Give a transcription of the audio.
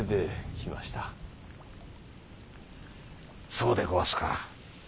そうでごわすか。